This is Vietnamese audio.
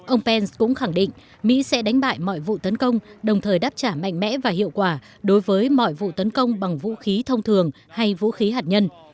ông pence cũng khẳng định mỹ sẽ đánh bại mọi vụ tấn công đồng thời đáp trả mạnh mẽ và hiệu quả đối với mọi vụ tấn công bằng vũ khí thông thường hay vũ khí hạt nhân